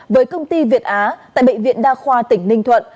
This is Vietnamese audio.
với công ty việt á tại bệnh viện đa khoa tỉnh ninh thuận